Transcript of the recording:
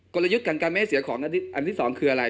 กลยุทธ์ของการไม่ให้เสียของอันที่สองคืออะไร